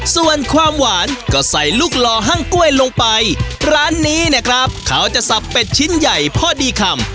ส่วนความหวานก็ใส่ลูกหล่อห้างกล้วยลงไปร้านนี้เนี่ยครับเขาจะสับเป็ดชิ้นใหญ่พอดีคำ